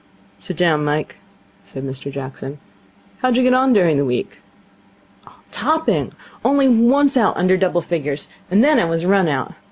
'Sit down, Mike,' said Mr Jackson. 'How did you get on during the week?' 'Topping. Only once out under double figures. And then I was run out.